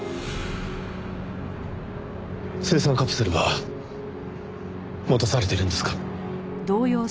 青酸カプセルは持たされているんですか？